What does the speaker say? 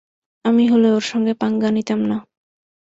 আমি হলে ওর সাথে পাঙ্গা নিতাম না।